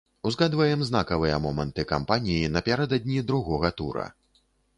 Узгадваем знакавыя моманты кампаніі напярэдадні другога тура.